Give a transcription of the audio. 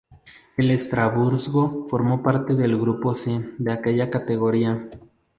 El Estrasburgo formó parte del grupo C de aquella categoría.